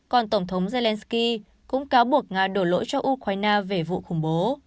còn tổng thống zelensky cũng cáo buộc nga đổ lỗi cho ukraine về vụ khủng bố